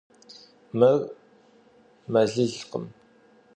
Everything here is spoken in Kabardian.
Мыр мэлылкъым.